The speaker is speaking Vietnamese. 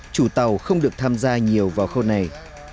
chủ tàu không được tham gia nhiều vào khâu này